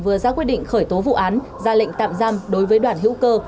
vừa ra quyết định khởi tố vụ án ra lệnh tạm giam đối với đoàn hữu cơ